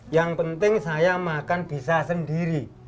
yang penting saya makan bisa sendiri